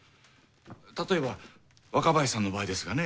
例えば若林さんの場合ですがね。